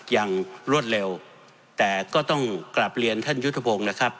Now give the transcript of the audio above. อย่างรวดเร็วแต่ก็ต้องกลับเรียนท่านยุทธพงศ์นะครับ